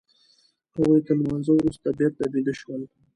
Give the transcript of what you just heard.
هغوی تر لمانځه وروسته بېرته بيده شول.